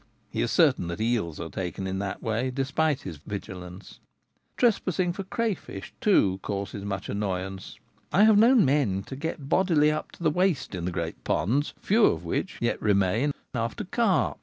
He is certain that eels are taken in that way despite his vigilance. 1 92 The Gamekeeper at Home. Trespassing for crayfish, too, causes much annoy ance. I have known men to get bodily up to the waist into the great ponds, a few of which yet remain, after carp.